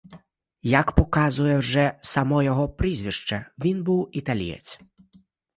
Як показує вже само його прізвище, він був італієць.